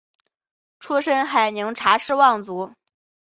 出身海宁查氏望族。